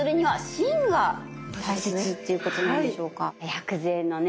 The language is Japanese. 薬膳のね